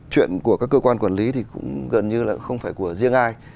chuyện của các cơ quan quản lý thì cũng gần như là không phải của riêng ai